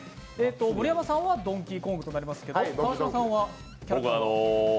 盛山さんはドンキーコングとなりますけど、川島さんは？